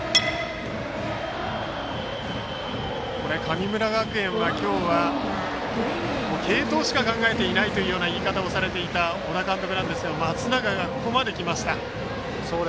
神村学園は、今日は継投しか考えていないという言い方をされていた小田監督なんですけれども松永がここまで来ました。